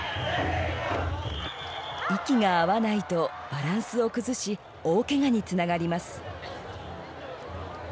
息が合わないとバランスを崩し大けがにつながります。